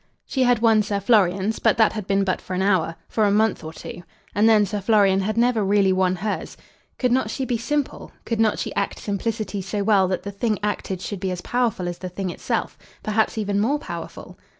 She had won Sir Florian's, but that had been but for an hour, for a month or two. And then Sir Florian had never really won hers. Could not she be simple? Could not she act simplicity so well that the thing acted should be as powerful as the thing itself; perhaps even more powerful?